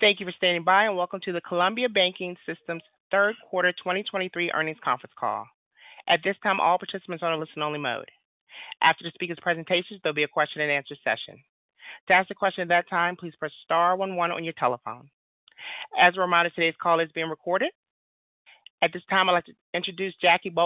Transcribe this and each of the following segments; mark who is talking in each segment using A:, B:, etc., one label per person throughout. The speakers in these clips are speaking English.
A: Thank you for standing by, and Welcome to the Columbia Banking System's Third quarter 2023 earnings Conference call. At this time, all participants are in a listen-only mode. After the speaker's presentations, there'll be a question-and-answer session. To ask a question at that time, please press star one one on your telephone. As a reminder, today's call is being recorded. At this time, I'd like to introduce Jacque
B: Thank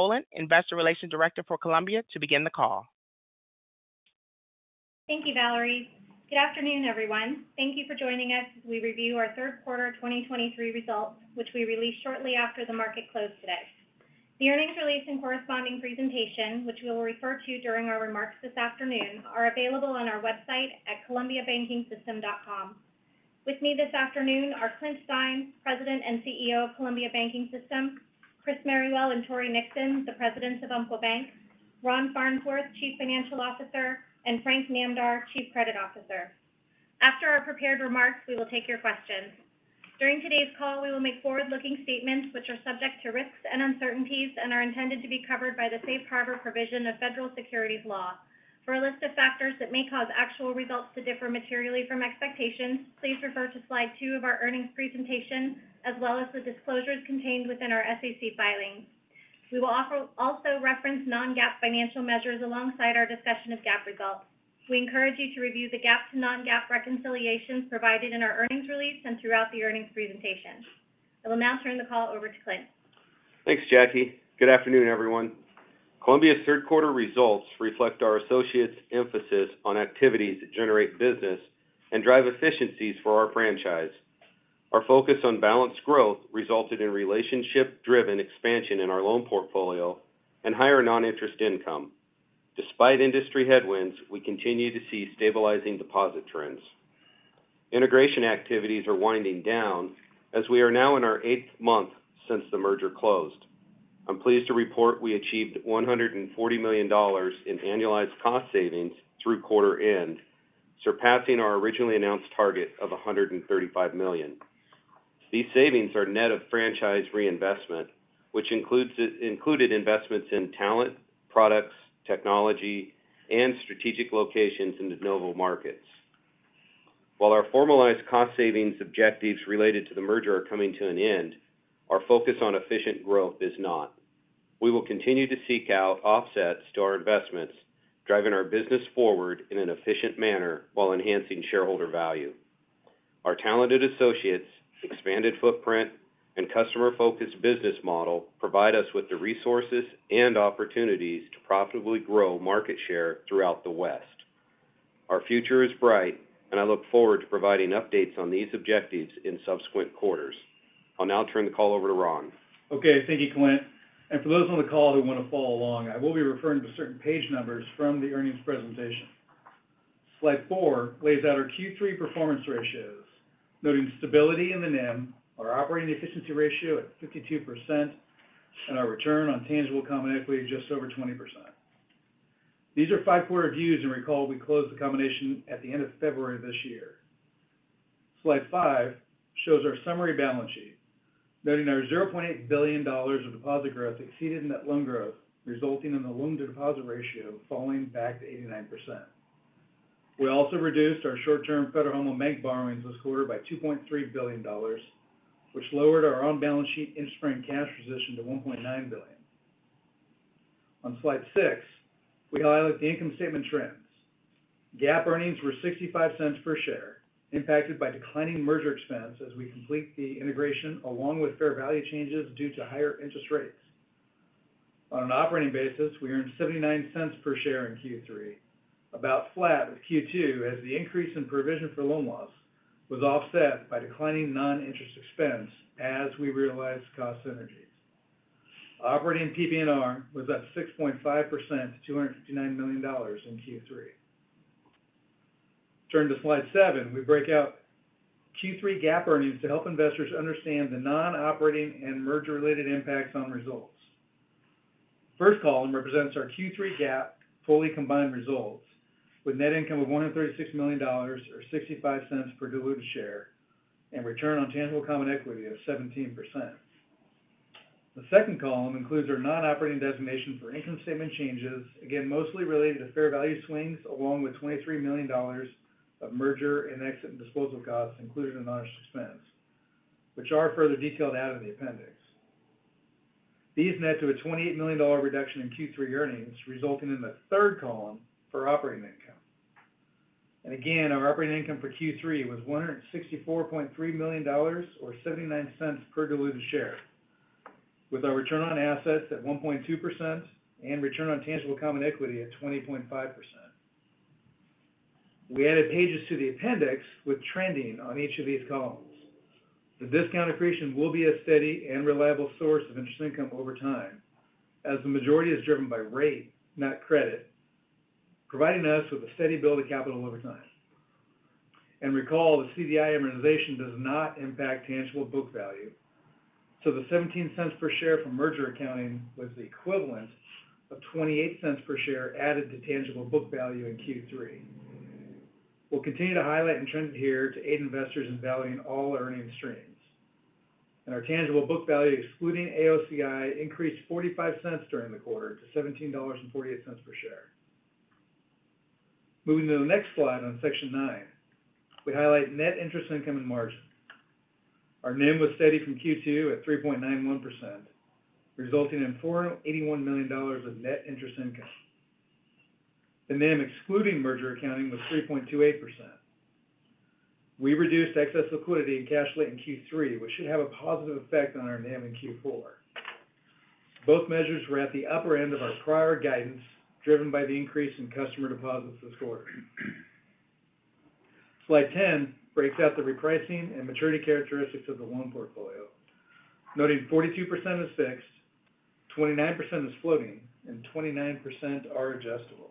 B: you, Valerie. Good afternoon, everyone. Thank you for joining us as we review our third quarter 2023 results, which we released shortly after the market closed today. The earnings release and corresponding presentation, which we will refer to during our remarks this afternoon, are available on our website at columbiabankingsystem.com. With me this afternoon are Clint Stein, President and CEO of Columbia Banking System; Chris Merrywell and Tory Nixon, the Presidents of Umpqua Bank, Ron Farnsworth, Chief Financial Officer; and Frank Namdar, Chief Credit Officer. After our prepared remarks, we will take your questions. During today's call, we will make forward-looking statements which are subject to risks and uncertainties and are intended to be covered by the Safe Harbor provision of Federal Securities law. For a list of factors that may cause actual results to differ materially from expectations, please refer to slide two of our earnings presentation as well as the disclosures contained within our SEC filings. We will also reference non-GAAP financial measures alongside our discussion of GAAP results. We encourage you to review the GAAP to non-GAAP reconciliations provided in our earnings release and throughout the earnings presentation. I will now turn the call over to Clint.
C: Thanks, Jacque. Good afternoon, everyone. Columbia's third quarter results reflect our associates' emphasis on activities that generate business and drive efficiencies for our franchise. Our focus on balanced growth resulted in relationship-driven expansion in our loan portfolio and higher non-interest income. Despite industry headwinds, we continue to see stabilizing deposit trends. Integration activities are winding down as we are now in our eighth month since the merger closed. I'm pleased to report we achieved $140 million in annualized cost savings through quarter end, surpassing our originally announced target of $135 million. These savings are net of franchise reinvestment, which includes, included investments in talent, products, technology, and strategic locations in the de novo markets. While our formalized cost savings objectives related to the merger are coming to an end, our focus on efficient growth is not. We will continue to seek out offsets to our investments, driving our business forward in an efficient manner while enhancing shareholder value. Our talented associates, expanded footprint, and customer-focused business model provide us with the resources and opportunities to profitably grow market share throughout the West. Our future is bright, and I look forward to providing updates on these objectives in subsequent quarters. I'll now turn the call over to Ron.
D: Okay, thank you, Clint. For those on the call who want to follow along, I will be referring to certain page numbers from the earnings presentation. Slide four lays out our Q3 performance ratios, noting stability in the NIM, our operating efficiency ratio at 52% and our return on tangible common equity just over 20%. These are five-quarter views and recall we closed the combination at the end of February this year. Slide five shows our summary balance sheet, noting our $0.8 billion of deposit growth exceeded net loan growth, resulting in the LDR falling back to 89%. We also reduced our short-term Federal Home Loan Bank borrowings this quarter by $2.3 billion, which lowered our on-balance sheet interest-bearing cash position to $1.9 billion. On slide six, we highlight the income statement trends. GAAP earnings were $0.65 per share, impacted by declining merger expense as we complete the integration, along with fair value changes due to higher interest rates. On an operating basis, we earned $0.79 per share in Q3, about flat with Q2, as the increase in provision for loan loss was offset by declining non-interest expense as we realized cost synergies. Operating PBNR was at 6.5% to $259 million in Q3. Turn to slide seven. We break out Q3 GAAP earnings to help investors understand the non-operating and merger related impacts on results. First column represents our Q3 GAAP fully combined results, with net income of $136 million to $0.65 per diluted share, and return on tangible common equity of 17%. The second column includes our non-operating designation for income statement changes, again, mostly related to fair value swings, along with $23 million of merger and exit and disposal costs included in other expense, which are further detailed out in the appendix. These net to a $28 million reduction in Q3 earnings, resulting in the third column for operating income. Again, our operating income for Q3 was $164.3 million, or $0.79 per diluted share, with our return on assets at 1.2% and return on tangible common equity at 20.5%. We added pages to the appendix with trending on each of these columns. The discount accretion will be a steady and reliable source of interest income over time, as the majority is driven by rate, not credit, providing us with a steady build of capital over time. recall, the CDI amortization does not impact tangible book value, so the $0.17 per share from merger accounting was the equivalent of $0.28 per share added to tangible book value in Q3. We'll continue to highlight and trend it here to aid investors in valuing all earning streams. Our tangible book value, excluding AOCI, increased $0.45 during the quarter to $17.48 per share. Moving to the next slide on section nine, we highlight net interest income and margin. Our NIM was steady from Q2 at 3.91%, resulting in $481 million of net interest income. The NIM, excluding merger accounting, was 3.28%. We reduced excess liquidity and cash late in Q3, which should have a positive effect on our NIM in Q4. Both measures were at the upper end of our prior guidance, driven by the increase in customer deposits this quarter. Slide 10 breaks out the repricing and maturity characteristics of the loan portfolio, noting 42% is fixed, 29% is floating, and 29% are adjustable.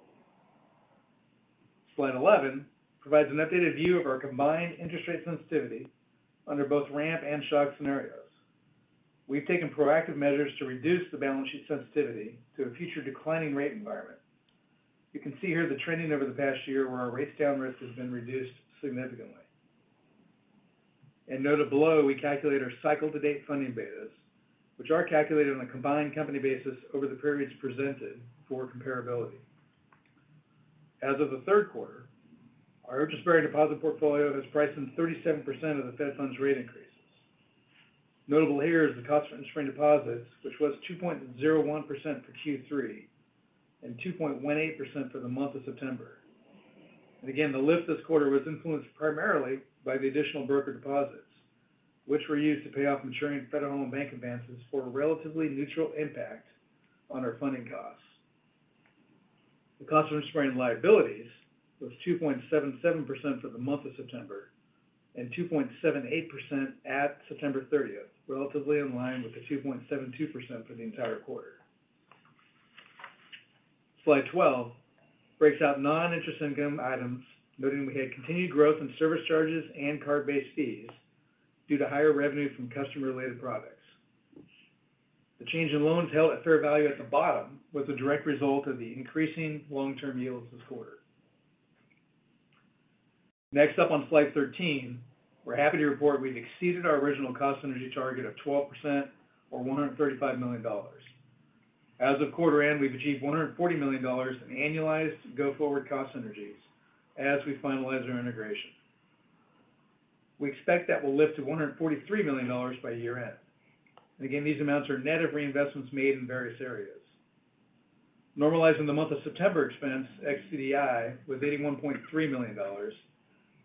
D: Slide 11 provides an updated view of our combined interest rate sensitivity under both ramp and shock scenarios. We've taken proactive measures to reduce the balance sheet sensitivity to a future declining rate environment. You can see here the trending over the past year, where our rates down risk has been reduced significantly. Noted below, we calculate our cycle-to-date funding betas, which are calculated on a combined company basis over the periods presented for comparability. As of the third quarter, our interest-bearing deposit portfolio has priced in 37% of the Fed Funds Rate increases. Notable here is the cost for insured deposits, which was 2.01% for Q3 and 2.18% for the month of September. And again, the lift this quarter was influenced primarily by the additional broker deposits, which were used to pay off maturing Federal Home Loan Bank advances for a relatively neutral impact on our funding costs. The cost of insured liabilities was 2.77% for the month of September and 2.78% at September 30th, relatively in line with the 2.72% for the entire quarter. Slide 12 breaks out non-interest income items, noting we had continued growth in service charges and card-based fees due to higher revenue from customer-related products. The change in loans held at fair value at the bottom was a direct result of the increasing long-term yields this quarter. Next up on Slide 13, we're happy to report we've exceeded our original cost synergy target of 12% to $135 million. As of quarter end, we've achieved $140 million in annualized go-forward cost synergies as we finalize our integration. We expect that will lift to $143 million by year-end. And again, these amounts are net of reinvestments made in various areas. Normalizing the month of September expense, ex CDI, was $81.3 million,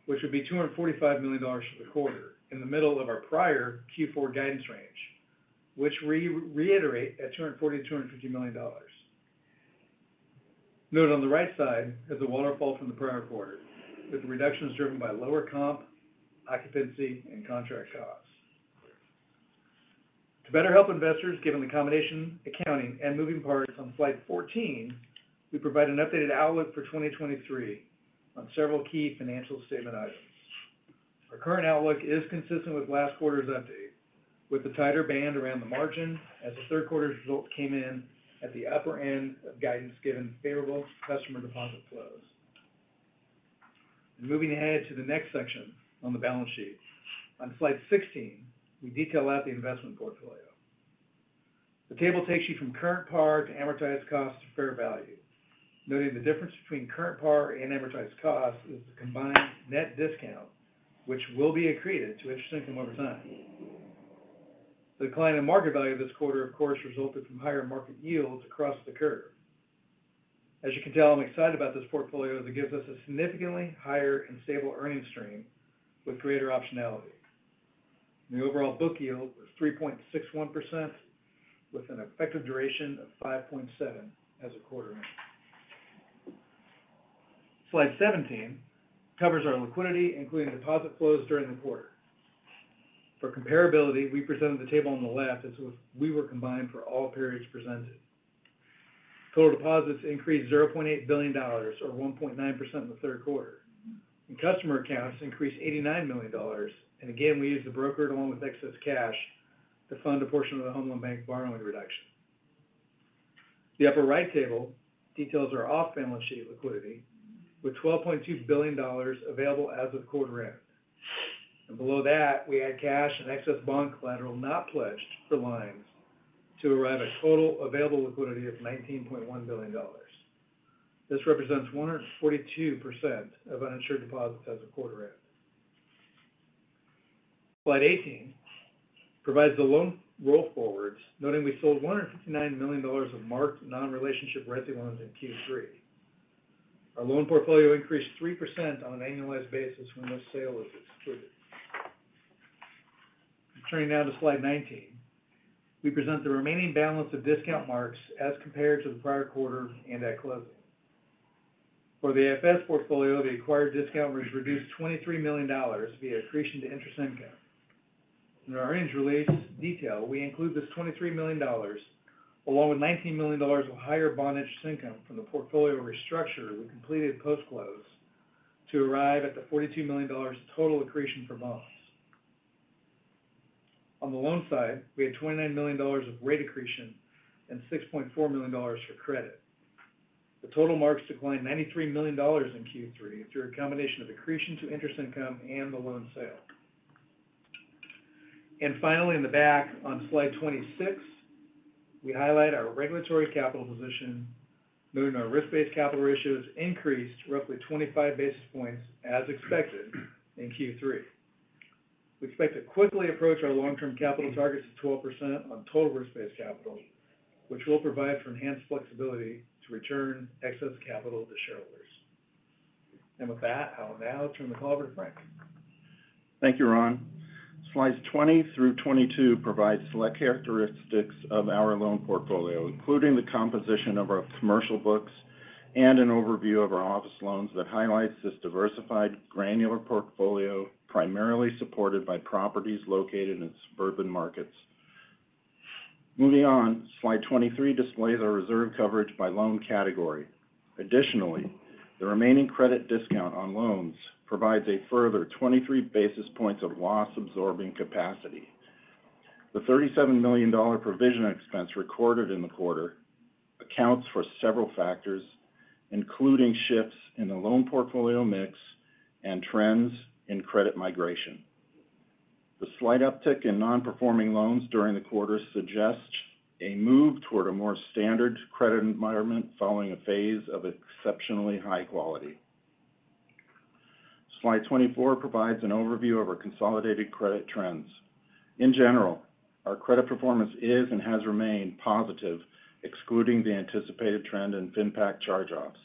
D: which would be $245 million for the quarter, in the middle of our prior Q4 guidance range, which we reiterate at $240 million to $250 million. Note on the right side is the waterfall from the prior quarter, with the reductions driven by lower comp, occupancy, and contract costs. To better help investors, given the combination, accounting, and moving parts on slide 14, we provide an updated outlook for 2023 on several key financial statement items. Our current outlook is consistent with last quarter's update, with a tighter band around the margin, as the third quarter's results came in at the upper end of guidance, given favorable customer deposit flows. Moving ahead to the next section on the balance sheet. On Slide 16, we detail out the investment portfolio. The table takes you from current par to amortized cost to fair value, noting the difference between current par and amortized cost is the combined net discount, which will be accreted to interest income over time. The decline in market value this quarter, of course, resulted from higher market yields across the curve. As you can tell, I'm excited about this portfolio that gives us a significantly higher and stable earning stream with greater optionality. The overall book yield was 3.61%, with an effective duration of 5.7 as of quarter end. Slide 17 covers our liquidity, including deposit flows during the quarter. For comparability, we presented the table on the left as if we were combined for all periods presented. Total deposits increased $0.8 billion or 1.9% in the third quarter, and customer accounts increased $89 million. Again, we used the brokered, along with excess cash, to fund a portion of the Home Loan Bank borrowing reduction. The upper right table details our off-balance sheet liquidity, with $12.2 billion available as of quarter end. Below that, we add cash and excess bond collateral not pledged for lines to arrive at total available liquidity of $19.1 billion. This represents 142% of uninsured deposits as of quarter end. Slide 18 provides the loan roll forwards, noting we sold $159 million of marked non-relationship retail loans in Q3. Our loan portfolio increased 3% on an annualized basis when this sale is excluded. Turning now to slide 19. We present the remaining balance of discount marks as compared to the prior quarter and at closing. For the AFS portfolio, the acquired discount was reduced $23 million via accretion to interest income. In our earnings release detail, we include this $23 million to $19 million of higher bond interest income from the portfolio restructure we completed post-close, to arrive at the $42 million total accretion for bonds. On the loan side, we had $29 million of rate accretion and $6.4 million for credit. The total marks declined $93 million in Q3 through a combination of accretion to interest income and the loan sale. Finally, in the back, on slide 26, we highlight our regulatory capital position, noting our risk-based capital ratios increased roughly 25 basis points as expected in Q3. We expect to quickly approach our long-term capital targets of 12% on total risk-based capital, which will provide for enhanced flexibility to return excess capital to shareholders. And with that, I'll now turn the call over to Frank.
E: Thank you, Ron. Slides 20 through 22 provide select characteristics of our loan portfolio, including the composition of our commercial books and an overview of our office loans that highlights this diversified, granular portfolio, primarily supported by properties located in suburban markets. Moving on, slide 23 displays our reserve coverage by loan category. Additionally, the remaining credit discount on loans provides a further 23 basis points of loss-absorbing capacity. The $37 million provision expense recorded in the quarter accounts for several factors, including shifts in the loan portfolio mix and trends in credit migration. The slight uptick in nonperforming loans during the quarter suggests a move toward a more standard credit environment following a phase of exceptionally high quality. Slide 24 provides an overview of our consolidated credit trends. In general, our credit performance is and has remained positive, excluding the anticipated trend in FinPac charge-offs.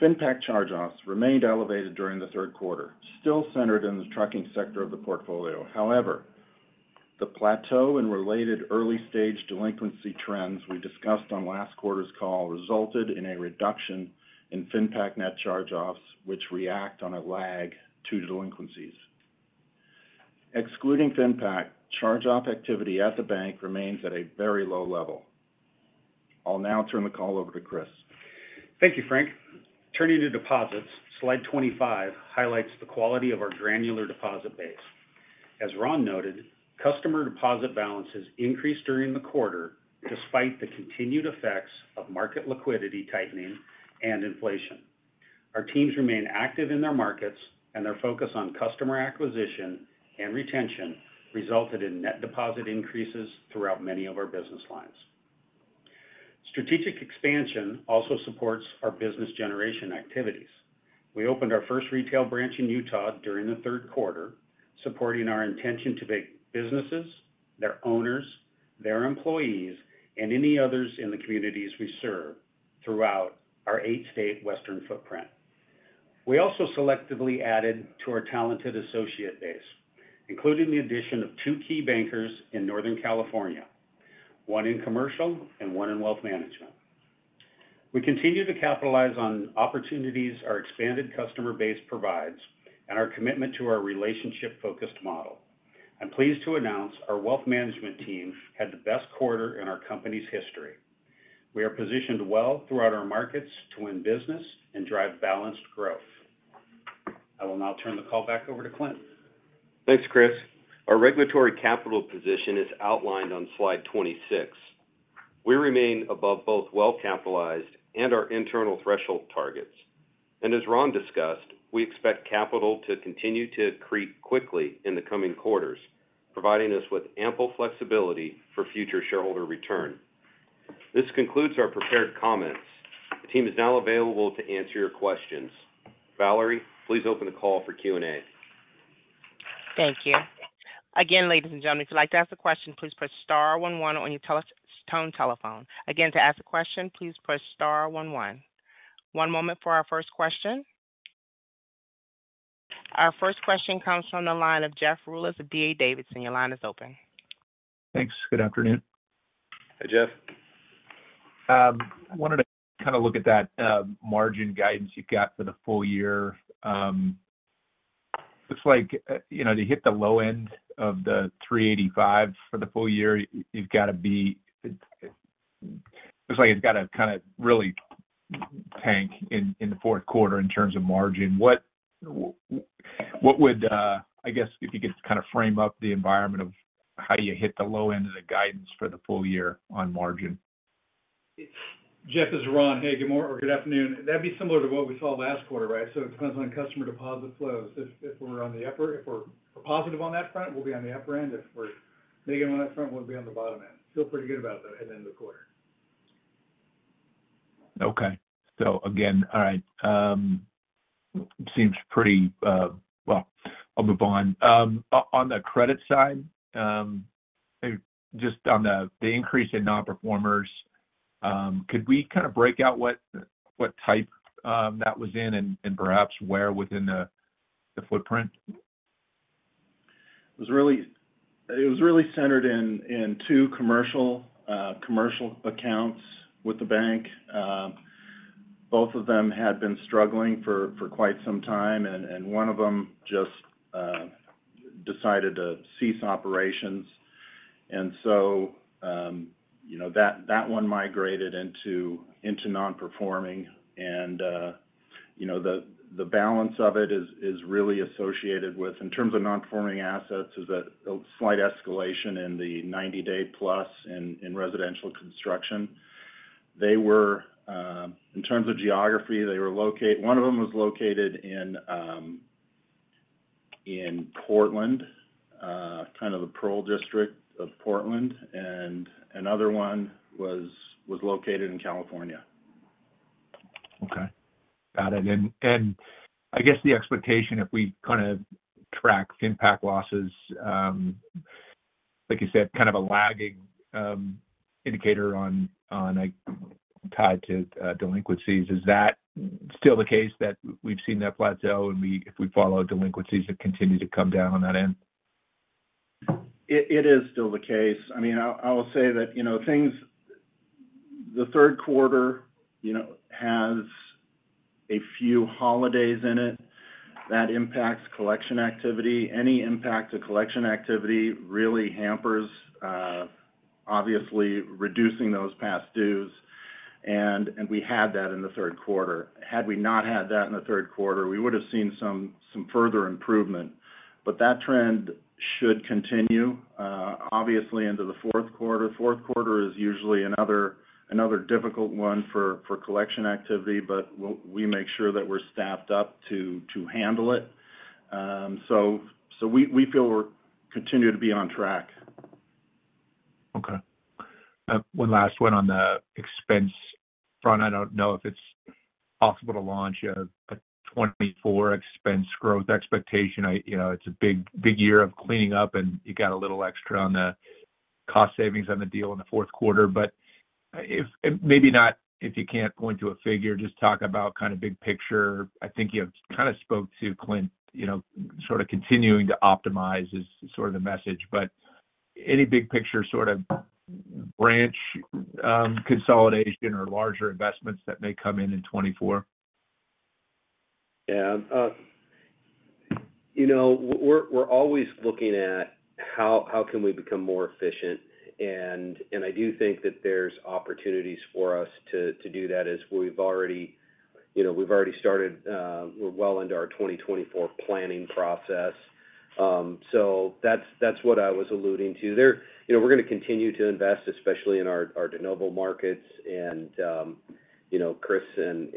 E: FinPac charge-offs remained elevated during the third quarter, still centered in the trucking sector of the portfolio. However, the plateau in related early-stage delinquency trends we discussed on last quarter's call resulted in a reduction in FinPac NCOs, which react on a lag to delinquencies. Excluding FinPac, charge-off activity at the bank remains at a very low level. I'll now turn the call over to Chris.
F: Thank you, Frank. Turning to deposits, slide 25 highlights the quality of our granular deposit base. As Ron noted, customer deposit balances increased during the quarter despite the continued effects of market liquidity tightening and inflation. Our teams remain active in their markets, and their focus on customer acquisition and retention resulted in net deposit increases throughout many of our business lines. Strategic expansion also supports our business generation activities. We opened our first retail branch in Utah during the third quarter, supporting our intention to bank businesses, their owners, their employees, and any others in the communities we serve throughout our 8-state Western footprint. We also selectively added to our talented associate base, including the addition of 2 key bankers in Northern California, one in commercial and one in wealth management. We continue to capitalize on opportunities our expanded customer base provides and our commitment to our relationship-focused model. I'm pleased to announce our wealth management team had the best quarter in our company's history. We are positioned well throughout our markets to win business and drive balanced growth. I will now turn the call back over to Clint.
C: Thanks, Chris. Our regulatory capital position is outlined on slide 26. We remain above both well-capitalized and our internal threshold targets. And as Ron discussed, we expect capital to continue to accrete quickly in the coming quarters, providing us with ample flexibility for future shareholder return. This concludes our prepared comments. The team is now available to answer your questions. Valerie, please open the call for Q&A.
A: Thank you. Again, ladies and gentlemen, if you'd like to ask a question, please press star one one on your touch-tone telephone. Again, to ask a question, please press star one one. One moment for our first question. Our first question comes from the line of Jeff Rulis of D.A. Davidson. Your line is open.
G: Thanks. Good afternoon.
C: Hi, Jeff.
G: Wanted to kind of look at that, margin guidance you've got for the full year. Looks like, you know, to hit the low end of the 3.85 for the full year, you've got to be... Looks like it's got to kind of really tank in the fourth quarter in terms of margin. What would, I guess, if you could kind of frame up the environment of how you hit the low end of the guidance for the full year on margin?
D: Jeff, this is Ron. Hey, good afternoon. That'd be similar to what we saw last quarter, right? So it depends on customer deposit flows. If we're positive on that front, we'll be on the upper end. If we're negative on that front, we'll be on the bottom end. Feel pretty good about that at the end of the quarter.
G: Okay. So again, all right, seems pretty, well, I'll move on. On the credit side, just on the increase in nonperformers, could we kind of break out what type that was in and perhaps where within the footprint?
E: It was really centered in two commercial accounts with the bank. Both of them had been struggling for quite some time, and one of them just decided to cease operations. And so, you know, that one migrated into nonperforming, and you know, the balance of it is really associated with, in terms of nonperforming assets, a slight escalation in the 90-day plus in residential construction.... they were in terms of geography, they were located. One of them was located in Portland, kind of the Pearl District of Portland, and another one was located in California.
G: Okay. Got it. And I guess the expectation, if we kind of track impact losses, like you said, kind of a lagging indicator on, on, like, tied to, delinquencies. Is that still the case, that we've seen that plateau and if we follow delinquencies, it continue to come down on that end?
E: It is still the case. I mean, I'll say that, you know, things, the third quarter, you know, has a few holidays in it. That impacts collection activity. Any impact to collection activity really hampers, obviously, reducing those past dues, and we had that in the third quarter. Had we not had that in the third quarter, we would've seen some further improvement. But that trend should continue, obviously into the fourth quarter. Fourth quarter is usually another difficult one for collection activity, but we'll, we make sure that we're staffed up to handle it. So, we feel we're continue to be on track.
H: Okay. One last one on the expense front. I don't know if it's possible to launch a 2024 expense growth expectation. I, you know, it's a big, big year of cleaning up, and you got a little extra on the cost savings on the deal in the fourth quarter. But if, maybe not, if you can't point to a figure, just talk about kind of big picture. I think you kind of spoke to, Clint, you know, sort of continuing to optimize is sort of the message. But any big picture sort of branch consolidation or larger investments that may come in in 2024?
C: Yeah. You know, we're always looking at how we can become more efficient. And I do think that there's opportunities for us to do that as we've already, you know, we've already started. We're well into our 2024 planning process. So that's what I was alluding to. There. You know, we're gonna continue to invest, especially in our de novo markets. And you know, Chris and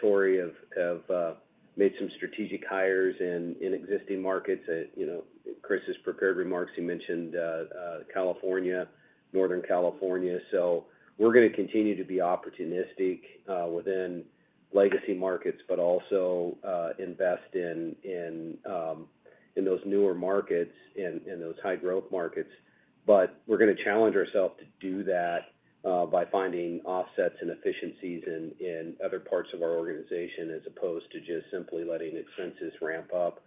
C: Tory have made some strategic hires in existing markets. And you know, Chris's prepared remarks, he mentioned California, Northern California. So we're gonna continue to be opportunistic within legacy markets, but also invest in those newer markets, in those high-growth markets. But we're gonna challenge ourselves to do that, by finding offsets and efficiencies in other parts of our organization, as opposed to just simply letting expenses ramp up.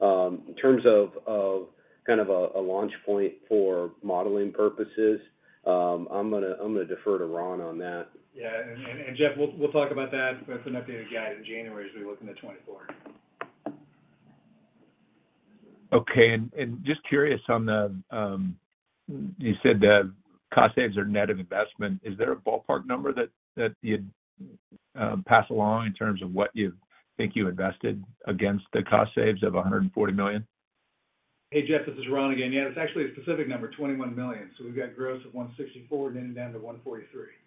C: In terms of kind of a launch point for modeling purposes, I'm gonna defer to Ron on that.
D: Yeah, Jeff, we'll talk about that with an updated guide in January as we look into 2024.
G: Okay. And just curious on the you said that cost saves are net of investment. Is there a ballpark number that you'd pass along in terms of what you think you invested against the cost saves of $140 million?
D: Hey, Jeff, this is Ron again. Yeah, it's actually a specific number, $21 million. So we've got gross at $164 million, and then down to $143 million.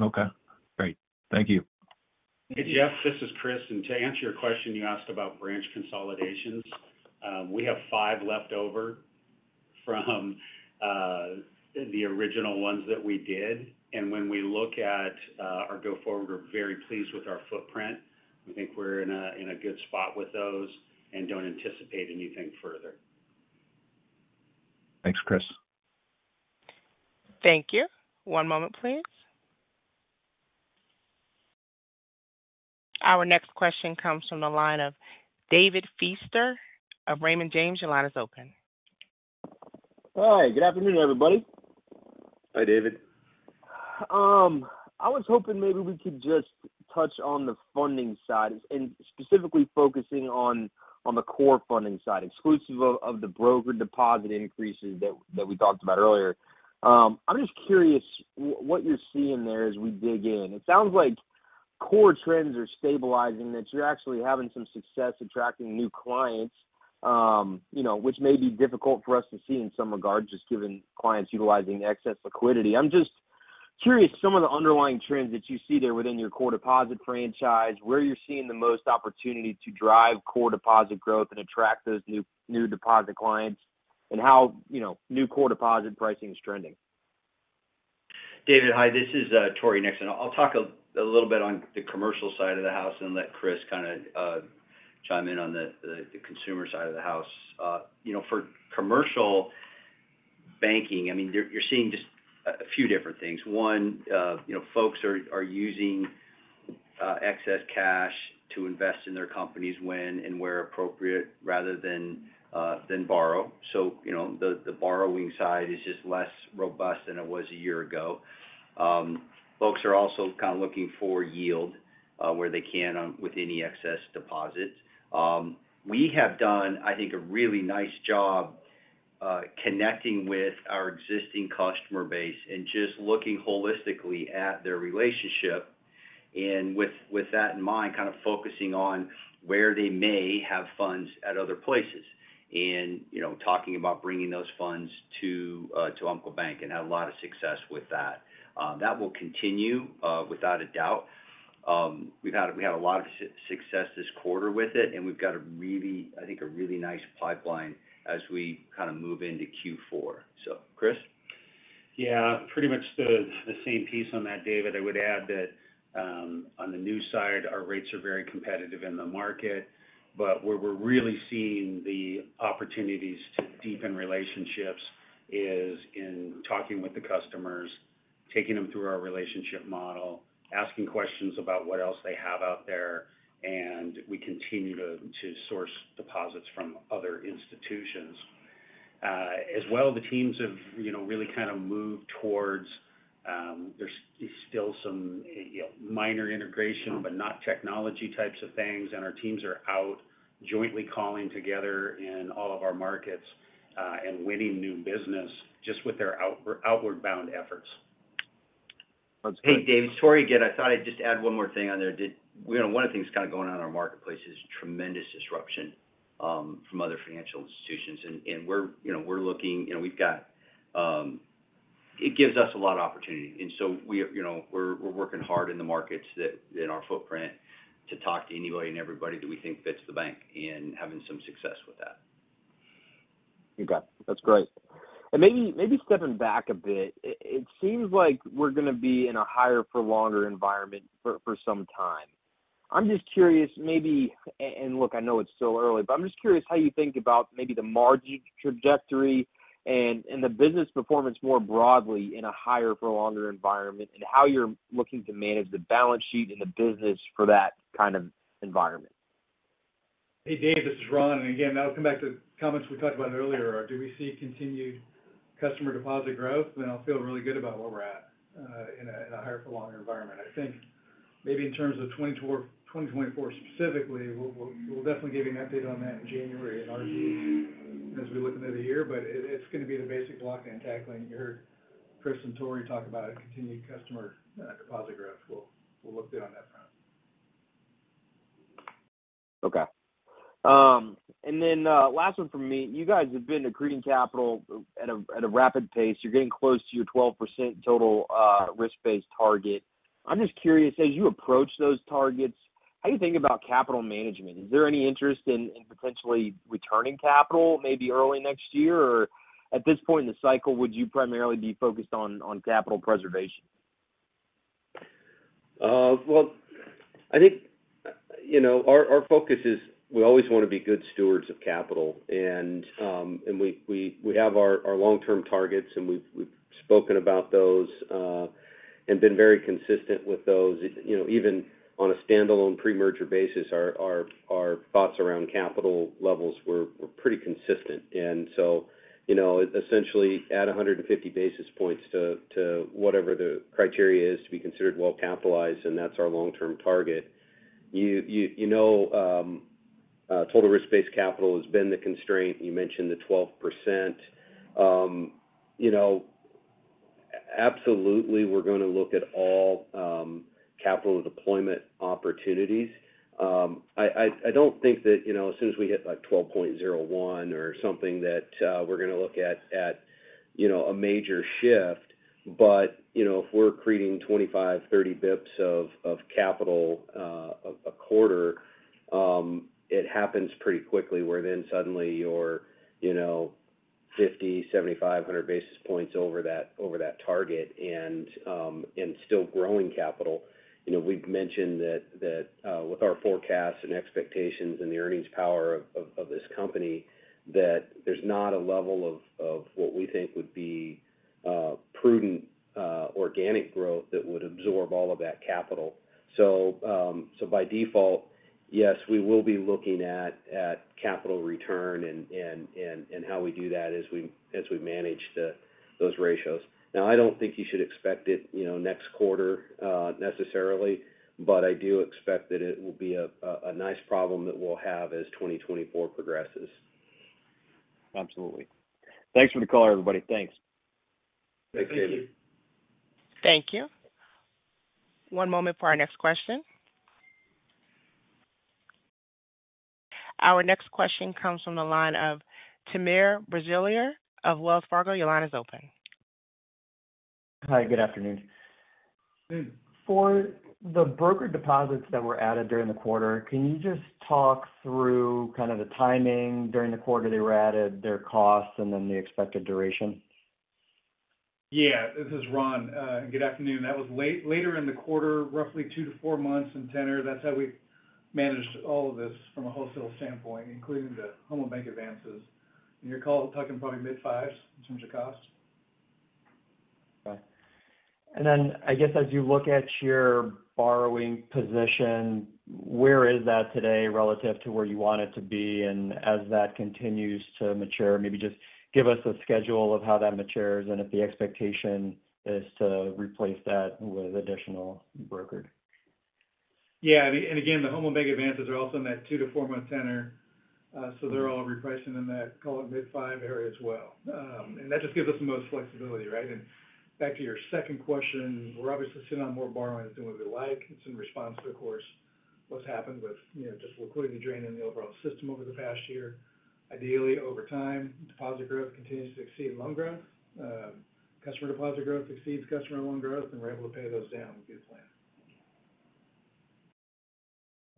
G: Okay, great. Thank you.
F: Hey, Jeff, this is Chris. To answer your question, you asked about branch consolidations. We have five left over from the original ones that we did, and when we look at our go-forward, we're very pleased with our footprint. We think we're in a good spot with those and don't anticipate anything further.
G: Thanks, Chris.
A: Thank you. One moment, please. Our next question comes from the line of David Feaster of Raymond James. Your line is open.
I: Hi, good afternoon, everybody.
C: Hi, David.
I: I was hoping maybe we could just touch on the funding side and specifically focusing on the core funding side, exclusive of the broker deposit increases that we talked about earlier. I'm just curious what you're seeing there as we dig in. It sounds like core trends are stabilizing, that you're actually having some success attracting new clients, you know, which may be difficult for us to see in some regards, just given clients utilizing excess liquidity. I'm just curious, some of the underlying trends that you see there within your core deposit franchise, where you're seeing the most opportunity to drive core deposit growth and attract those new, new deposit clients, and how, you know, new core deposit pricing is trending.
J: David, hi, this is Tory Nixon. I'll talk a little bit on the commercial side of the house and let Chris kind of chime in on the consumer side of the house. You know, for commercial banking, I mean, you're seeing just a few different things. One, you know, folks are using excess cash to invest in their companies when and where appropriate, rather than borrow. So, you know, the borrowing side is just less robust than it was a year ago. Folks are also kind of looking for yield where they can on with any excess deposits. We have done, I think, a really nice job connecting with our existing customer base and just looking holistically at their relationship.... and with that in mind, kind of focusing on where they may have funds at other places, and, you know, talking about bringing those funds to Umpqua Bank, and had a lot of success with that. That will continue without a doubt. We had a lot of success this quarter with it, and we've got a really, I think, a really nice pipeline as we kind of move into Q4. So, Chris?
C: Yeah, pretty much the same piece on that, David. I would add that, on the new side, our rates are very competitive in the market, but where we're really seeing the opportunities to deepen relationships is in talking with the customers, taking them through our relationship model, asking questions about what else they have out there, and we continue to source deposits from other institutions. As well, the teams have, you know, really kind of moved towards, there's still some, you know, minor integration, but not technology types of things. And our teams are out jointly calling together in all of our markets, and winning new business just with their outward bound efforts.
I: That's great.
J: Hey, Dave, Tory again. I thought I'd just add one more thing on there. The you know, one of the things kind of going on in our marketplace is tremendous disruption from other financial institutions. And we're, you know, we're looking, you know, we've got. It gives us a lot of opportunity. And so we are, you know, we're working hard in the markets that, in our footprint to talk to anybody and everybody that we think fits the bank and having some success with that.
I: You got it. That's great. And maybe stepping back a bit, it seems like we're going to be in a higher for longer environment for some time. I'm just curious, and look, I know it's still early, but I'm just curious how you think about maybe the margin trajectory and the business performance more broadly in a higher for longer environment, and how you're looking to manage the balance sheet and the business for that kind of environment.
D: Hey, Dave, this is Ron. And again, that'll come back to comments we talked about earlier. Do we see continued customer deposit growth? Then I'll feel really good about where we're at in a higher for longer environment. I think maybe in terms of 2024 specifically, we'll definitely give you an update on that in January at RD as we look into the year, but it's going to be the basic block and tackling. You heard Chris and Tory talk about a continued customer deposit growth. We'll look good on that front.
I: Okay. And then, last one from me. You guys have been accreting capital at a rapid pace. You're getting close to your 12% total risk-based target. I'm just curious, as you approach those targets, how do you think about capital management? Is there any interest in potentially returning capital maybe early next year? Or at this point in the cycle, would you primarily be focused on capital preservation?
C: Well, I think, you know, our focus is we always want to be good stewards of capital. And we have our long-term targets, and we've spoken about those and been very consistent with those. You know, even on a standalone pre-merger basis, our thoughts around capital levels were pretty consistent. And so, you know, essentially, add 150 basis points to whatever the criteria is to be considered well-capitalized, and that's our long-term target. You know, total risk-based capital has been the constraint. You mentioned the 12%. You know, absolutely, we're going to look at all capital deployment opportunities. I don't think that, you know, as soon as we hit, like, 12.01 or something, that we're going to look at, you know, a major shift. But, you know, if we're creating 25, 30 basis points of capital a quarter, it happens pretty quickly, where then suddenly you're, you know, 50, 75, 100 basis points over that target and still growing capital. You know, we've mentioned that with our forecasts and expectations and the earnings power of this company, that there's not a level of what we think would be prudent organic growth that would absorb all of that capital. So, by default, yes, we will be looking at capital return and how we do that as we manage those ratios. Now, I don't think you should expect it, you know, next quarter, necessarily, but I do expect that it will be a nice problem that we'll have as 2024 progresses.
I: Absolutely. Thanks for the call, everybody. Thanks.
D: Thank you.
J: Thank you.
A: Thank you. One moment for our next question. Our next question comes from the line of Timur Braziler of Wells Fargo. Your line is open.
K: Hi, good afternoon.
D: Hey.
K: For the broker deposits that were added during the quarter, can you just talk through kind of the timing during the quarter they were added, their costs, and then the expected duration?
D: Yeah. This is Ron, good afternoon. That was later in the quarter, roughly 2-4 months in tenor. That's how we managed all of this from a wholesale standpoint, including the home bank advances. And you're calling, talking probably mid-fives in terms of cost.
K: Okay. And then I guess as you look at your borrowing position, where is that today relative to where you want it to be? And as that continues to mature, maybe just give us a schedule of how that matures and if the expectation is to replace that with additional brokered? ...
D: Yeah, I mean, and again, the Home Loan Bank advances are also in that 2-4-month tenor, so they're all repricing in that, call it mid-5 area as well. And that just gives us the most flexibility, right? And back to your second question, we're obviously sitting on more borrowing than we would like. It's in response to, of course, what's happened with, you know, just liquidity drain in the overall system over the past year. Ideally, over time, deposit growth continues to exceed loan growth, customer deposit growth exceeds customer loan growth, and we're able to pay those down as we planned.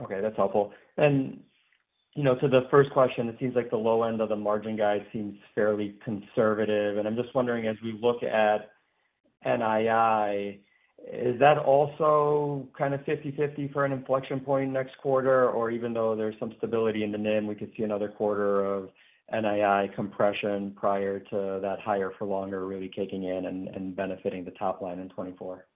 K: Okay, that's helpful. And, you know, to the first question, it seems like the low end of the margin guide seems fairly conservative. And I'm just wondering, as we look at NII, is that also kind of 50/50 for an inflection point next quarter? Or even though there's some stability in the NIM, we could see another quarter of NII compression prior to that higher for longer really kicking in and, and benefiting the top line in 2024.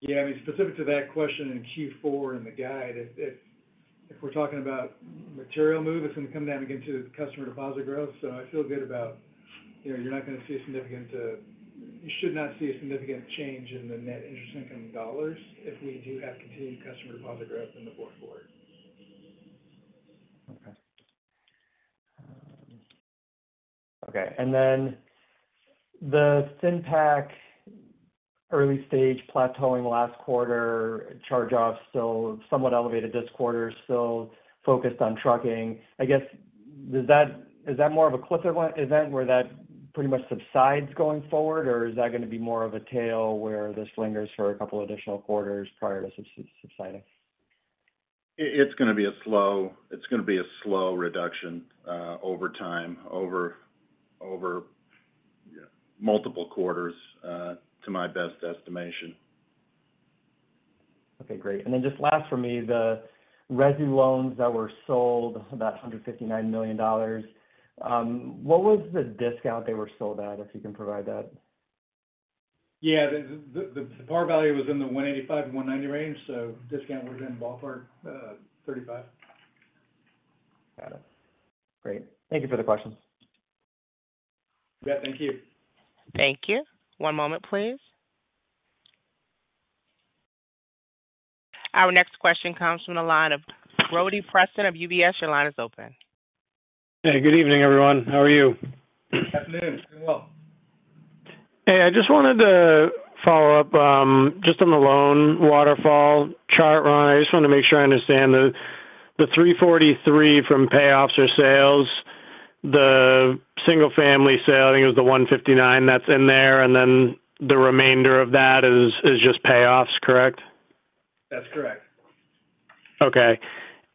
D: Yeah, I mean, specific to that question in Q4 in the guide, if we're talking about material move, it's going to come down again to the customer deposit growth. So I feel good about, you know, you're not going to see a significant, you should not see a significant change in the net interest income dollars if we do have continued customer deposit growth in the going forward.
K: Okay. Okay, and then the FinPac early stage plateauing last quarter, charge-offs still somewhat elevated this quarter, still focused on trucking. I guess, does that—is that more of a cliff event, where that pretty much subsides going forward, or is that going to be more of a tail where this lingers for a couple additional quarters prior to subsiding?
D: It's going to be a slow reduction over time, over multiple quarters, to my best estimation.
K: Okay, great. And then just last for me, the Resi Loans that were sold, about $159 million, what was the discount they were sold at, if you can provide that?
D: Yeah. The Par value was in the $185 to $190 range, so discount was in ballpark $35.
K: Got it. Great. Thank you for the questions.
A: Yeah, thank you. Thank you. One moment, please. Our next question comes from the line of Brody Preston of UBS. Your line is open.
L: Hey, good evening, everyone. How are you?
D: Afternoon. Very well.
L: Hey, I just wanted to follow up, just on the loan waterfall chart, Ryan. I just want to make sure I understand the $343 from payoffs or sales, the single family sale, I think, was the $159 that's in there, and then the remainder of that is just payoffs, correct?
D: That's correct.
L: Okay.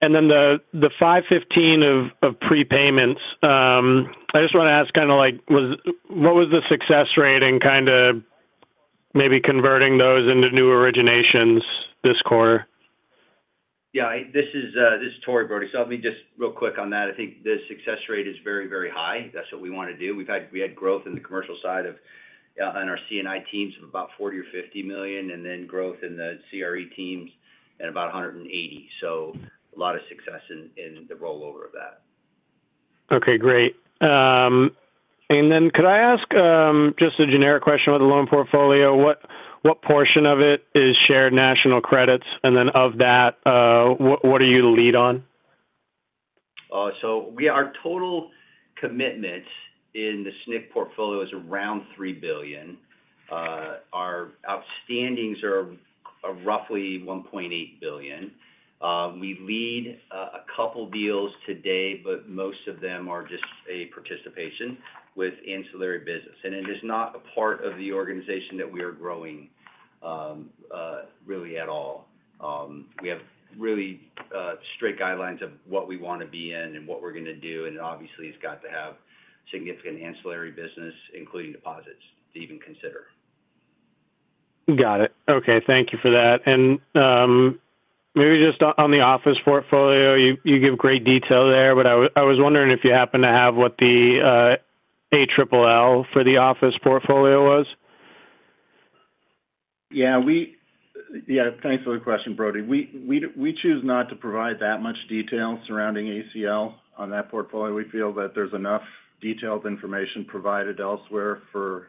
L: And then the 515 of prepayments, I just want to ask kind of, like, what was the success rate in kind of maybe converting those into new originations this quarter?
J: Yeah, this is, this is Tory, Brody. So let me just real quick on that. I think the success rate is very, very high. That's what we want to do. We had growth in the commercial side of, on our CNI teams of about $40 million to $50 million, and then growth in the CRE teams at about $180 million. So a lot of success in the rollover of that.
L: Okay, great. And then could I ask just a generic question about the loan portfolio. What portion of it is Shared National Credits? And then of that, what are you the lead on?
J: So our total commitment in the SNC portfolio is around $3 billion. Our outstanding's are roughly $1.8 billion. We lead a couple deals today, but most of them are just a participation with ancillary business, and it is not a part of the organization that we are growing really at all. We have really strict guidelines of what we want to be in and what we're going to do, and obviously, it's got to have significant ancillary business, including deposits, to even consider.
L: Got it. Okay, thank you for that. Maybe just on, on the office portfolio, you, you give great detail there, but I, I was wondering if you happen to have what the all for the office portfolio was?
E: Yeah, thanks for the question, Brody. We choose not to provide that much detail surrounding ACL on that portfolio. We feel that there's enough detailed information provided elsewhere for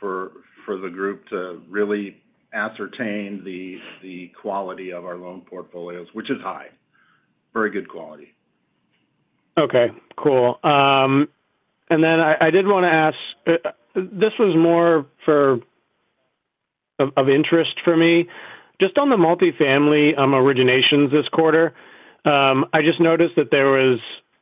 E: the group to really ascertain the quality of our loan portfolios, which is high very good quality.
L: Okay, cool. And then I did want to ask, this was more of interest for me. Just on the multifamily originations this quarter, I just noticed that there was,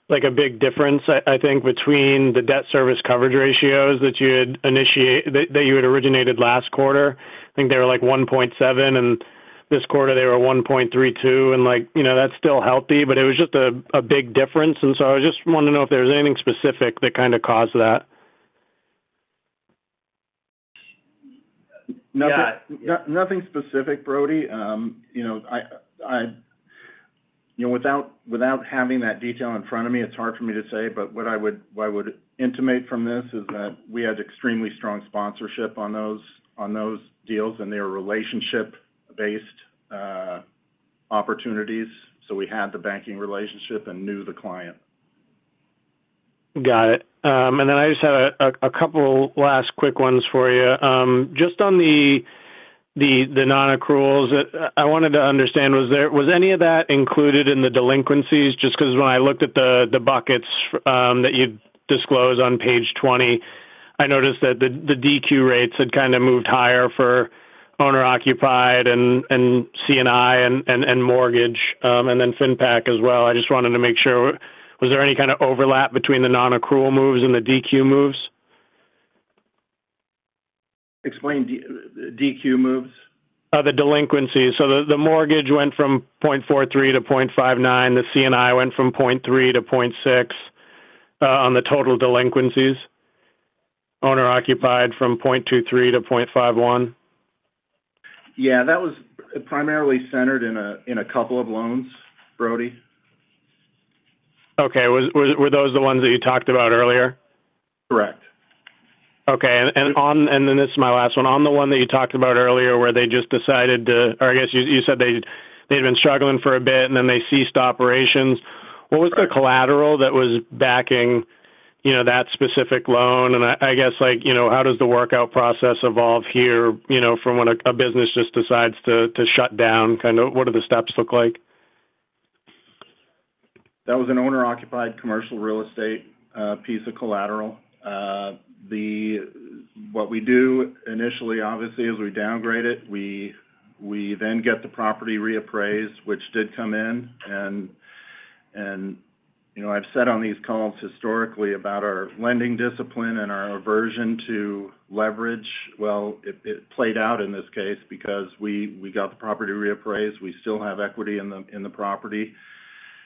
L: like, a big difference, I think, between the DSCR that you had originated last quarter. I think they were, like, 1.7, and this quarter they were 1.32. And like, you know, that's still healthy, but it was just a big difference. And so I just wanted to know if there was anything specific that kind of caused that?
D: Yeah. No, nothing specific, Brody. You know, without having that detail in front of me, it's hard for me to say, but what I would intimate from this is that we had extremely strong sponsorship on those deals, and they were relationship-based opportunities, so we had the banking relationship and knew the client....
L: Got it. And then I just had a couple last quick ones for you. Just on the non-accruals, I wanted to understand, was there—was any of that included in the delinquencies? Just because when I looked at the buckets that you disclose on page 20, I noticed that the DQ rates had kind of moved higher for owner-occupied and CNI and mortgage, and then FinPac as well. I just wanted to make sure. Was there any kind of overlap between the non-accrual moves and the DQ moves?
F: Explain DQ moves.
L: The delinquencies. So the mortgage went from 0.43% to 0.59%. The CNI went from 0.3% to 0.6%, on the total delinquencies. Owner-occupied from 0.23% to 0.51%.
F: Yeah, that was primarily centered in a, in a couple of loans, Brody.
L: Okay. Were those the ones that you talked about earlier?
D: Correct.
L: Okay. And on—and then this is my last one. On the one that you talked about earlier, where they just decided to... Or I guess you said they had been struggling for a bit, and then they ceased operations.
F: Right.
L: What was the collateral that was backing, you know, that specific loan? And I guess, like, you know, how does the workout process evolve here, you know, from when a business just decides to shut down? Kind of, what do the steps look like?
D: That was an owner-occupied commercial real estate piece of collateral. What we do initially, obviously, is we downgrade it. We then get the property reappraised, which did come in. You know, I've said on these calls historically about our lending discipline and our aversion to leverage. Well, it played out in this case because we got the property reappraised. We still have equity in the property,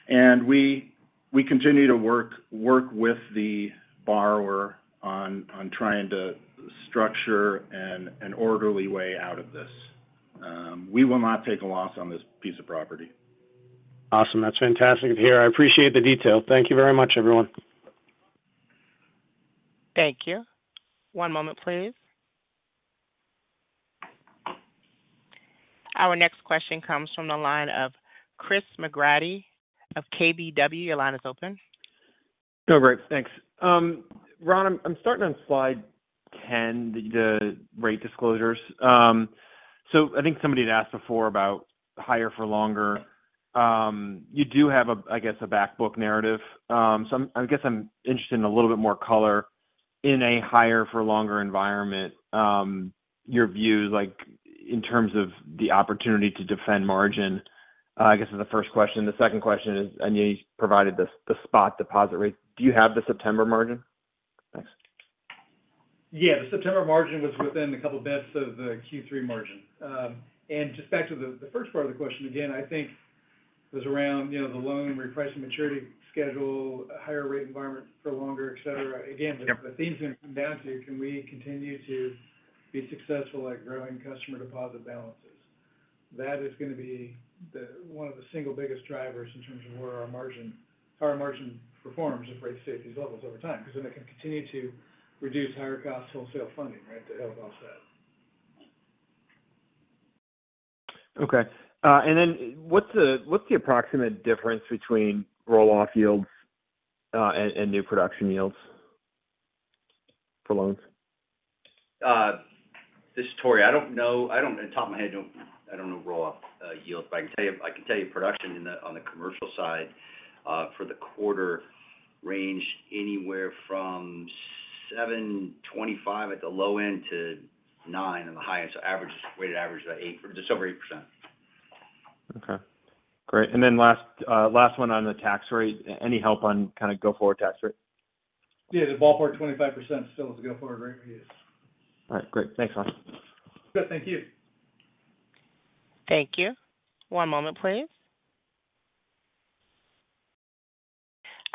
D: and we continue to work with the borrower on trying to structure an orderly way out of this. We will not take a loss on this piece of property.
L: Awesome! That's fantastic to hear. I appreciate the detail. Thank you very much, everyone.
A: Thank you. One moment, please. Our next question comes from the line of Chris McGratty of KBW. Your line is open.
M: Oh, great. Thanks. Ron, I'm starting on slide 10, the rate disclosures. So I think somebody had asked before about higher for longer. You do have a, I guess, a back book narrative. So I'm, I guess I'm interested in a little bit more color in a higher for longer environment. Your views, like, in terms of the opportunity to defend margin, I guess, is the first question. The second question is, I know you provided the spot deposit rate. Do you have the September margin? Thanks.
D: Yeah, the September margin was within a couple of basis points of the Q3 margin. And just back to the first part of the question, again, I think it was around, you know, the loan and repricing maturity schedule, a higher rate environment for longer, et cetera. Yep. Again, the themes come down to, can we continue to be successful at growing customer deposit balances? That is going to be the, one of the single biggest drivers in terms of where our margin, our margin performs if rates stay at these levels over time, because then it can continue to reduce higher cost wholesale funding, right, to help offset.
M: Okay. And then what's the approximate difference between roll-off yields and new production yields for loans?
J: This is Tory. I don't know off the top of my head, I don't know roll-off yields, but I can tell you production on the commercial side for the quarter ranged anywhere from 7.25% at the low end to 9% at the highest. Average, weighted average is about 8, just over 8%.
M: Okay, great. And then last, last one on the tax rate. Any help on kind of go-forward tax rate?
D: Yeah, the ballpark, 25% still is the go-forward rate we use.
M: All right, great. Thanks, Ron.
D: Good. Thank you.
A: Thank you. One moment, please.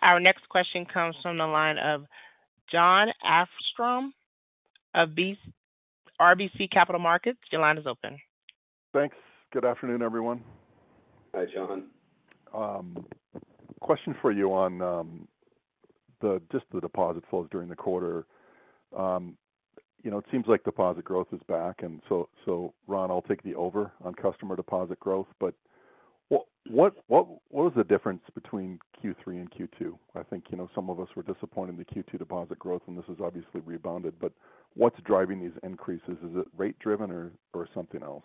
A: Our next question comes from the line of John Arfstrom of RBC Capital Markets. Your line is open.
N: Thanks. Good afternoon, everyone.
D: Hi, John.
N: Question for you on just the deposit flows during the quarter. You know, it seems like deposit growth is back, and so, so Ron, I'll take the over on customer deposit growth, but what, what, what was the difference between Q3 and Q2? I think, you know, some of us were disappointed in the Q2 deposit growth, and this is obviously rebounded, but what's driving these increases? Is it rate driven or, or something else?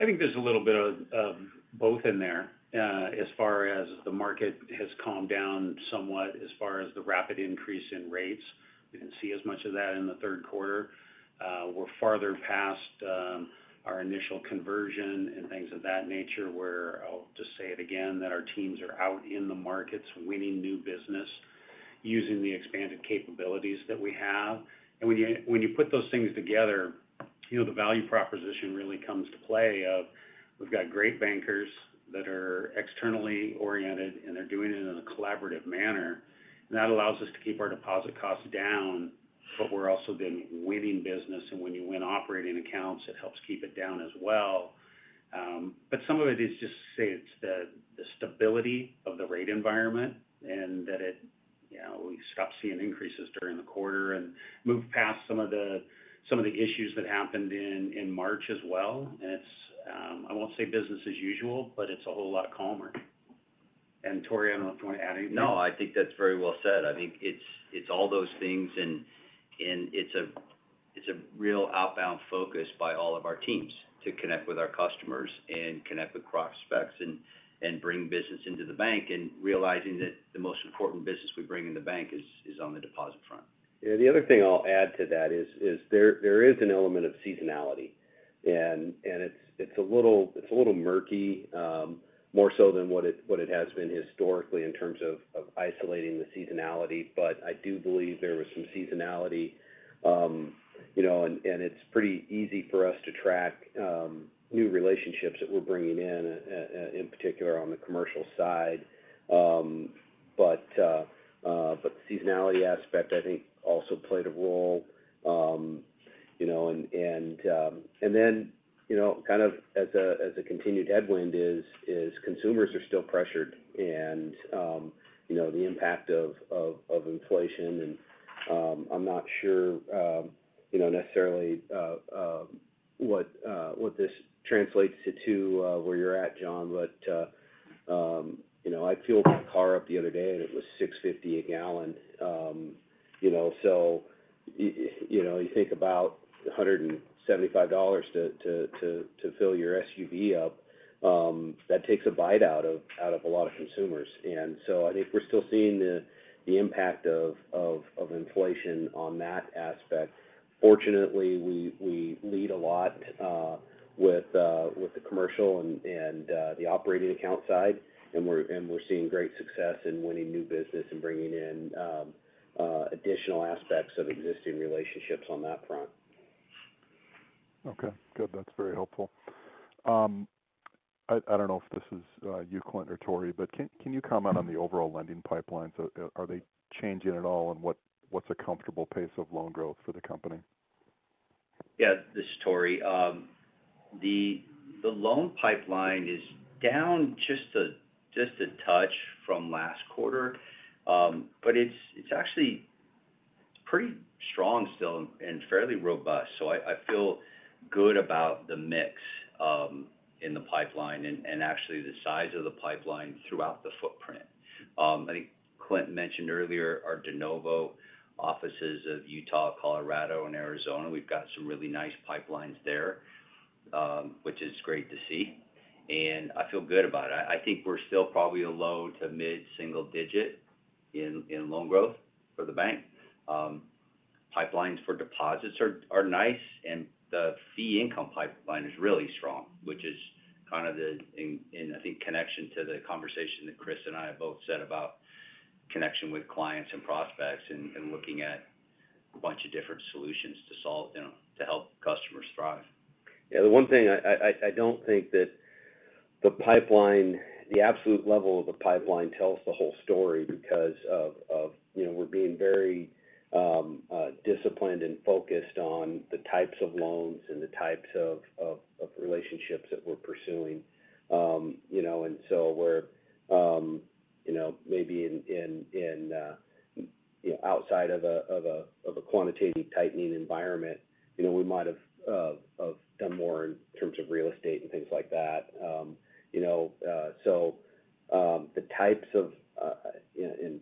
F: I think there's a little bit of both in there. As far as the market has calmed down somewhat, as far as the rapid increase in rates, we didn't see as much of that in the third quarter. We're farther past our initial conversion and things of that nature, where I'll just say it again, that our teams are out in the markets winning new business, using the expanded capabilities that we have. And when you, when you put those things together, you know, the value proposition really comes to play of, we've got great bankers that are externally oriented, and they're doing it in a collaborative manner. And that allows us to keep our deposit costs down, but we're also then winning business, and when you win operating accounts, it helps keep it down as well. But some of it is just, say, it's the stability of the rate environment and that it, you know, start seeing increases during the quarter and move past some of the issues that happened in March as well. And it's, I won't say business as usual, but it's a whole lot calmer. And Tory, I don't know if you want to add anything?
J: No, I think that's very well said. I think it's all those things, and it's a real outbound focus by all of our teams to connect with our customers and connect with prospects and bring business into the bank, and realizing that the most important business we bring in the bank is on the deposit front.
C: Yeah, the other thing I'll add to that is, there is an element of seasonality. And it's a little murky, more so than what it has been historically in terms of isolating the seasonality. But I do believe there was some seasonality. You know, and it's pretty easy for us to track new relationships that we're bringing in, in particular on the commercial side. But the seasonality aspect, I think, also played a role. You know, and then, you know, kind of as a continued headwind is consumers are still pressured. You know, the impact of inflation and, I'm not sure, you know, necessarily, what this translates to, to, where you're at, John. But, you know, I fueled my car up the other day, and it was $6.50 a gallon. You know, so you know, you think about $175 to fill your SUV up, that takes a bite out of a lot of consumers. And so I think we're still seeing the impact of inflation on that aspect. Fortunately, we lead a lot with the commercial and the operating account side, and we're seeing great success in winning new business and bringing in additional aspects of existing relationships on that front.
O: Okay, good. That's very helpful. I don't know if this is you, Clint or Tory, but can you comment on the overall lending pipeline? So are they changing at all, and what's a comfortable pace of loan growth for the company?
J: Yeah, this is Tory. The loan pipeline is down just a touch from last quarter. But it's actually pretty strong still and fairly robust. So I feel good about the mix in the pipeline and actually the size of the pipeline throughout the footprint. I think Clint mentioned earlier, our de novo offices of Utah, Colorado, and Arizona. We've got some really nice pipelines there, which is great to see, and I feel good about it. I think we're still probably a low- to mid-single-digit in loan growth for the bank. Pipelines for deposits are nice, and the fee income pipeline is really strong, which is kind of the connection to the conversation that Chris and I have both said about connection with clients and prospects and looking at a bunch of different solutions to solve, you know, to help customers thrive.
C: Yeah, the one thing I don't think that the pipeline, the absolute level of the pipeline tells the whole story because of, you know, we're being very disciplined and focused on the types of loans and the types of relationships that we're pursuing. You know, and so we're, you know, maybe in, you know, outside of a quantitative tightening environment, you know, we might have done more in terms of real estate and things like that. You know, so, the types of and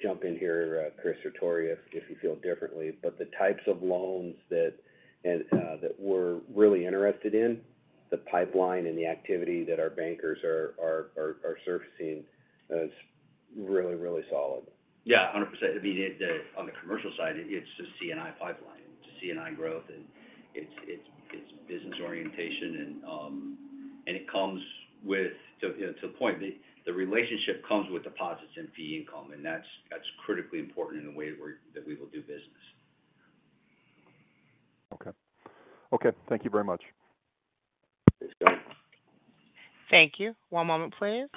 C: jump in here, Chris or Tory, if you feel differently. But the types of loans that that we're really interested in, the pipeline and the activity that our bankers are surfacing is really, really solid. Yeah, 100%. I mean, on the commercial side, it's a CNI pipeline. It's a CNI growth, and it's business orientation. And it comes with, to you know, to the point, the relationship comes with deposits and fee income, and that's critically important in the way that we will do business.
N: Okay. Okay, thank you very much.
A: Thank you. One moment, please.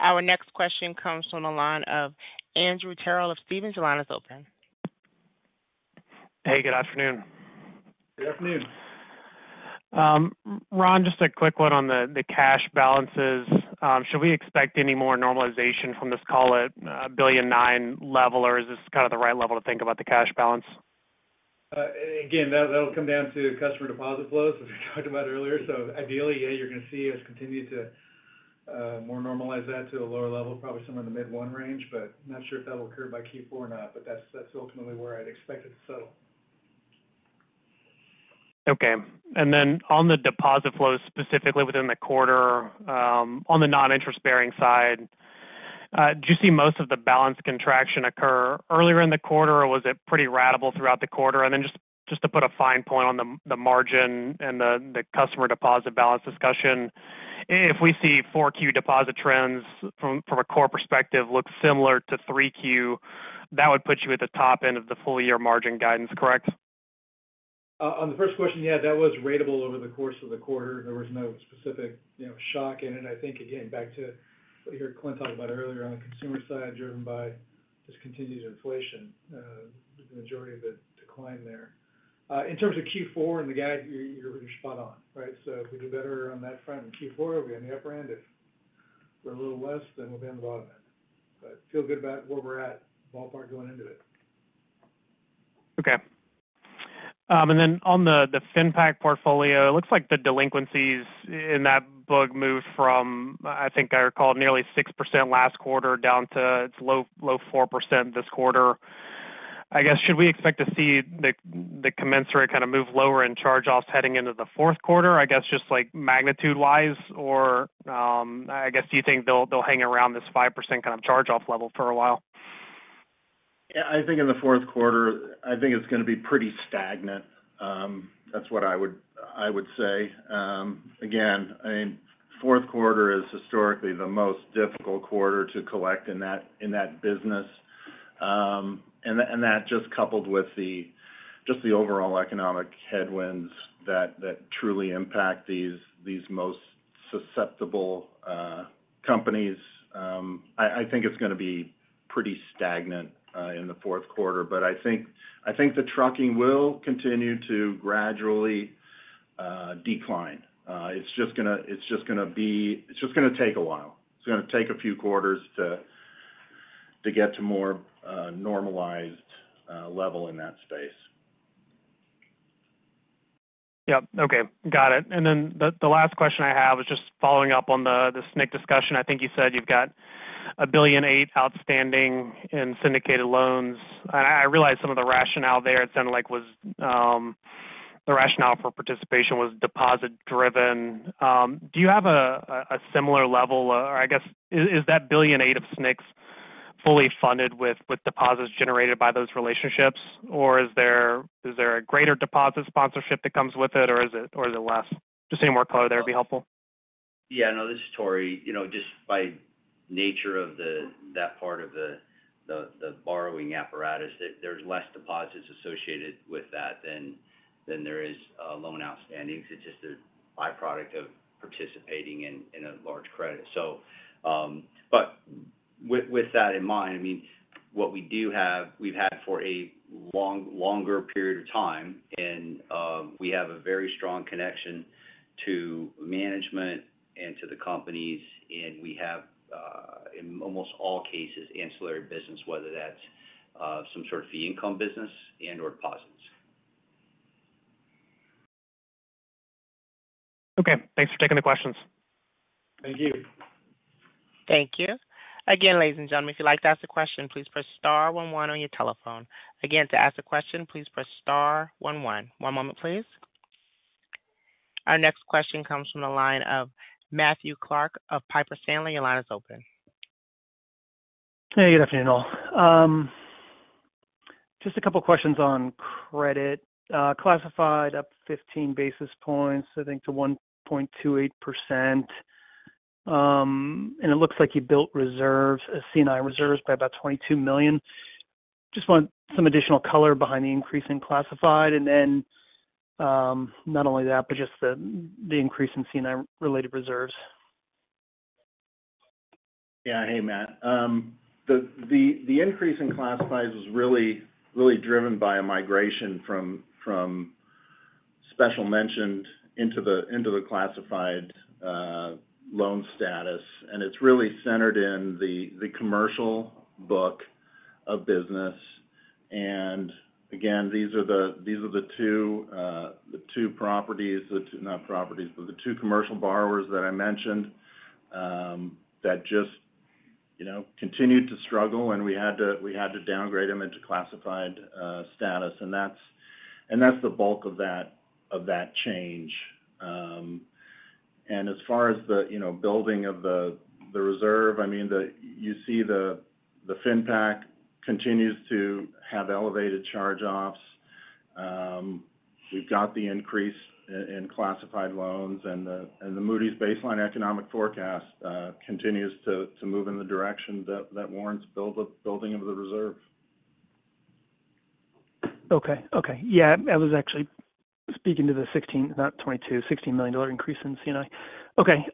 A: Our next question comes from the line of Andrew Terrell of Stephens. Your line is open.
P: Hey, good afternoon.
D: Good afternoon.
P: Ron, just a quick one on the cash balances. Should we expect any more normalization from this, call it, $1.9 billion level, or is this kind of the right level to think about the cash balance?
D: Again, that'll come down to customer deposit flows, as we talked about earlier. So ideally, yeah, you're going to see us continue to more normalize that to a lower level, probably somewhere in the mid-one range, but not sure if that will occur by Q4 or not. But that's ultimately where I'd expect it to settle.
P: Okay. And then on the deposit flows, specifically within the quarter, on the non-interest-bearing side, do you see most of the balance contraction occur earlier in the quarter, or was it pretty ratable throughout the quarter? And then just to put a fine point on the margin and the customer deposit balance discussion, if we see 4Q deposit trends from a core perspective look similar to 3Q, that would put you at the top end of the full year margin guidance, correct?
D: On the first question, yeah, that was ratable over the course of the quarter. There was no specific, you know, shock in it. I think, again, back to what you heard Clint talk about earlier, on the consumer side, driven by just continued inflation, the majority of it declined there. In terms of Q4 and the guide, you're, you're spot on, right? So if we do better on that front in Q4, we'll be on the upper end. If we're a little less, then we'll be on the bottom end. But feel good about where we're at, ballpark going into it.
P: Okay. And then on the FinPac portfolio, it looks like the delinquencies in that book moved from, I think I recall, nearly 6% last quarter, down to low, low 4% this quarter. I guess, should we expect to see the commensurate kind of move lower in charge-offs heading into the fourth quarter? I guess, just like magnitude-wise, or, I guess, do you think they'll hang around this 5% kind of charge-off level for a while?
D: Yeah, I think in the fourth quarter, I think it's gonna be pretty stagnant. That's what I would, I would say. Again, I mean, fourth quarter is historically the most difficult quarter to collect in that, in that business. And that just coupled with the just the overall economic headwinds that truly impact these, these most susceptible companies, I think it's gonna be pretty stagnant in the fourth quarter. But I think, I think the trucking will continue to gradually decline. It's just gonna, it's just gonna be. It's just gonna take a while. It's gonna take a few quarters to get to more normalized level in that space.
P: Yep. Okay, got it. And then the last question I have is just following up on the SNC discussion. I think you said you've got $1.8 billion outstanding in syndicated loans. And I realize some of the rationale there, it sounded like was the rationale for participation was deposit driven. Do you have a similar level, or I guess, is that $1.8 billion of SNCs fully funded with deposits generated by those relationships? Or is there a greater deposit sponsorship that comes with it, or is it less? Just any more color there would be helpful.
J: Yeah, I know. This is Tory. You know, just by nature of that part of the borrowing apparatus, there's less deposits associated with that than there is loan outstanding. So just a by-product of participating in a large credit. So, but with that in mind, I mean, what we do have, we've had for a longer period of time, and we have a very strong connection to management and to the companies, and we have, in almost all cases, ancillary business, whether that's some sort of fee income business and/or deposits.
P: Okay, thanks for taking the questions.
D: Thank you.
A: Thank you. Again, ladies and gentlemen, if you'd like to ask a question, please press star one one on your telephone. Again, to ask a question, please press star one one. One moment, please. Our next question comes from the line of Matthew Clark of Piper Sandler. Your line is open.
O: Hey, good afternoon, all. Just a couple of questions on credit. Classified up 15 basis points, I think, to 1.28%. And it looks like you built reserves, C&I reserves by about $22 million. Just want some additional color behind the increase in classified, and then, not only that, but just the increase in C&I-related reserves.
D: Yeah. Hey, Matt. The increase in classifieds is really, really driven by a migration from SMA into the classified loan status, and it's really centered in the commercial book of business. And again, these are the two properties, not properties, but the two commercial borrowers that I mentioned that just, you know, continued to struggle, and we had to downgrade them into classified status. And that's the bulk of that change. And as far as the, you know, building of the reserve, I mean, you see the FinPac continues to have elevated charge-offs. We've got the increase in classified loans, and the Moody's baseline economic forecast continues to move in the direction that warrants building of the reserve.
O: Okay. Okay. Yeah, I was actually speaking to the 16, not 22, $16 million increase in C&I. Okay,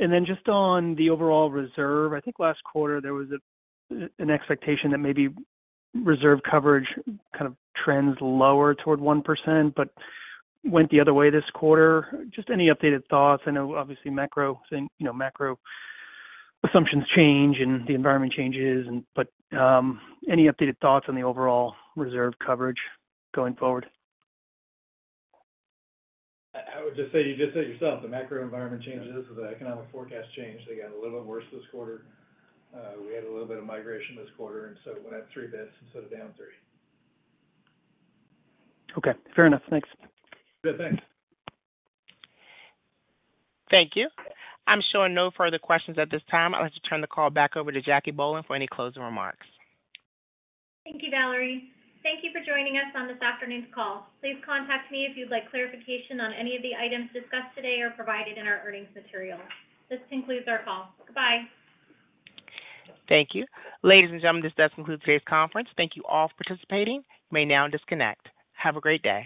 O: and then just on the overall reserve, I think last quarter, there was an expectation that maybe reserve coverage kind of trends lower toward 1%, but went the other way this quarter. Just any updated thoughts? I know obviously, macro trends, you know, macro assumptions change and the environment changes and, but, any updated thoughts on the overall reserve coverage going forward?
D: I would just say, you just said yourself, the macro environment changes, so the economic forecast changed. They got a little bit worse this quarter. We had a little bit of migration this quarter, and so it went up 3 basis points instead of down 3.
O: Okay, fair enough. Thanks.
A: Yeah, thanks, Thank you. I'm showing no further questions at this time. I'd like to turn the call back over to Jacque
B: Thank you, Valerie. Thank you for joining us on this afternoon's call. Please contact me if you'd like clarification on any of the items discussed today or provided in our earnings material. This concludes our call. Goodbye.
A: Thank you. Ladies and gentlemen, this does conclude today's conference. Thank you all for participating. You may now disconnect. Have a great day.